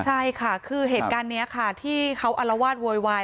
ใช่ค่ะคือเหตุการณ์นี้ค่ะที่เขาอลวาดโวยวาย